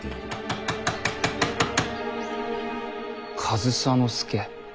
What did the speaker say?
上総介。